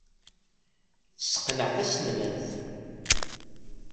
Tesseqneɛ taselmadt.